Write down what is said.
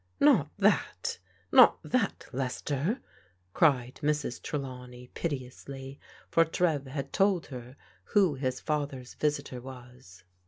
" Not that ! not that, Lester !" cried Mrs. Trelawney piteously, for Trev had told her who his father's visitor was.